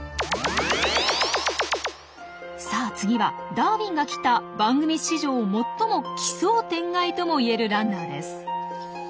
さあ次は「ダーウィンが来た！」番組史上最も奇想天外ともいえるランナーです。